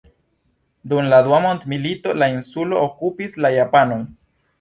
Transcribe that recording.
Dum la dua mondmilito, la insulon okupis la japanoj.